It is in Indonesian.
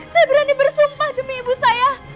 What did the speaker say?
saya berani bersumpah demi ibu saya